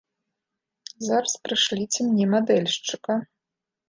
Зараз прышліце мне мадэльшчыка.